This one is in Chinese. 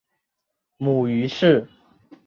母于氏。